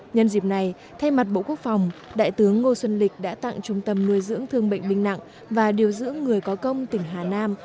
nhân dịp này thay mặt bộ quốc phòng đại tướng ngô xuân lịch đã tặng trung tâm nuôi dưỡng thương bệnh binh nặng và điều dưỡng người có công tỉnh hà nam